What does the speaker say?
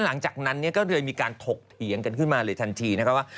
หลังจากนั้นเนี่ยก็เลยมีการถกเถียงกันขึ้นมาเลยทันทีนะคะว่า